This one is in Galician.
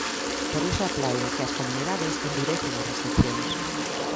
Por iso aplaude que as comunidades endurezan as restricións.